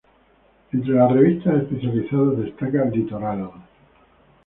Entre las revistas especializadas destaca "Litoral".